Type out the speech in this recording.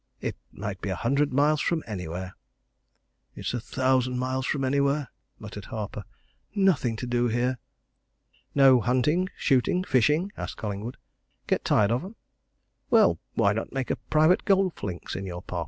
"It might be a hundred miles from anywhere." "It's a thousand miles from anywhere!" muttered Harper. "Nothing to do here!" "No hunting, shooting, fishing?" asked Collingwood. "Get tired of 'em? Well, why not make a private golf links in your park?